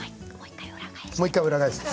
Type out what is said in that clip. もう１回裏返して。